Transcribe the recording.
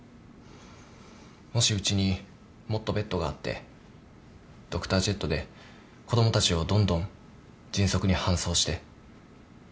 もしうちにもっとベッドがあってドクタージェットで子供たちをどんどん迅速に搬送して。